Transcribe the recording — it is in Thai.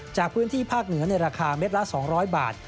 จากพื้นที่ภาคเหนือในราคาเม็ดละ๒๐๐บาท